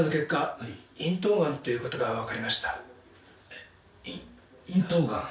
えっ咽頭がん？